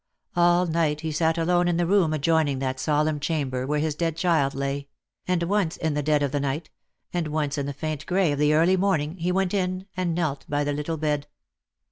All night he sat alone in the room adjoining that solemn chamber where his dead child lay ; and once in the dead of the night, and once in the faint gray of the early morning, he went in and .Lielt by the little bed.